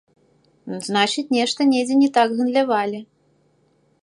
Значыць, нешта недзе не так гандлявалі.